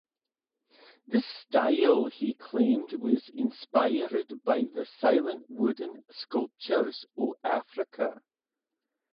This style he claimed was inspired by the silent wooden sculptures of Africa.